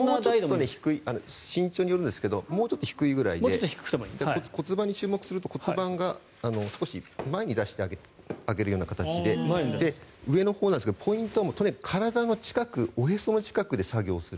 身長によりますがもうちょっと低いぐらいで骨盤に注目すると骨盤を少し前に出してあげるような感じで上のほうなんですがポイントはとにかく体の近くおへその近くで作業をする。